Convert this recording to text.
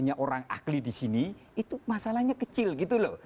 banyak orang ahli di sini itu masalahnya kecil gitu loh